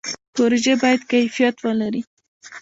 پروژې باید کیفیت ولري